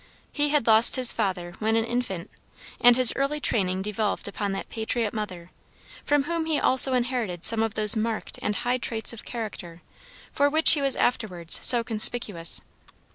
He had lost his father when an infant, and his early training devolved upon that patriot mother, from whom he also inherited some of those marked and high traits of character for which he was afterwards so conspicuous.